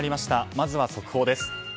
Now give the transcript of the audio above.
まずは速報です。